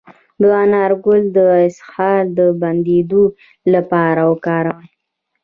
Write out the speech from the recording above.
د انار ګل د اسهال د بندیدو لپاره وکاروئ